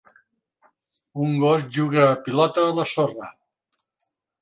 Un gos juga a pilota a la sorra.